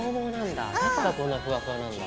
だからこんなフワフワなんだ。